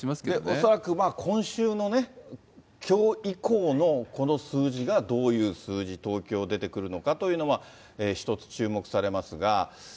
恐らく今週のきょう以降のこの数字が、どういう数字、東京出てくるのかというのは、一つ注目されますが。